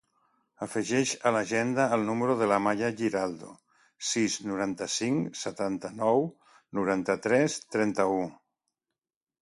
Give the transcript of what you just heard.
Afegeix a l'agenda el número de l'Amaia Giraldo: sis, noranta-cinc, setanta-nou, noranta-tres, trenta-u.